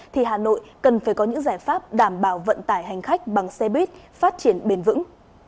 thì hà nội cần phải có những giải pháp đảm bảo vận tải hành khách bằng xe buýt phát triển bền vững